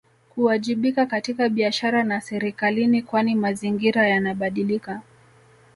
Kuwajibika katika biashara na serikalini kwani mazingira yanabadilika